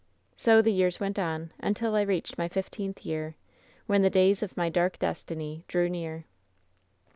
"So the years went on until I reached my fifteenth year, when the days of my dark destiny drew near."